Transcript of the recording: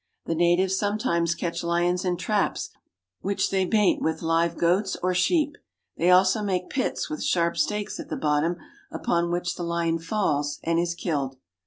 The natives sometimes catch lions in traps, which ^^H they bait with live goats or sheep ; they also make pits ^^M with sharp stakes at the bottom upon which the lion falls ^^M and is killed.